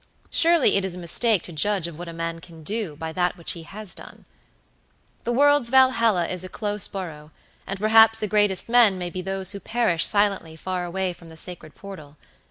Surely it is a mistake to judge of what a man can do by that which he has done. The world's Valhalla is a close borough, and perhaps the greatest men may be those who perish silently far away from the sacred portal.